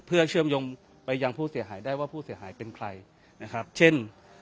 เพื่อเชื่อมโยงไปยังผู้เสียหายได้ว่าผู้เสียหายเป็นใครนะครับเช่น